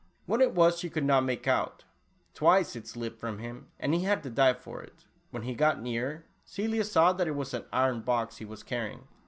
What it was she could not make out. Twice it slipped from him and he had to dive for it. When he got nearer, Celia saw that it was an iron box, he was carrying.